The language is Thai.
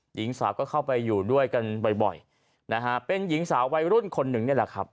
หญิงสาวก็เข้าไปอยู่ด้วยกันบ่อยนะฮะเป็นหญิงสาววัยรุ่นคนหนึ่งนี่แหละครับ